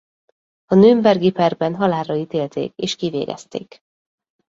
A nürnbergi perben halálra ítélték és kivégezték.